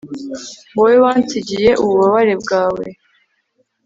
Wowe wansigiye ububabare bwawe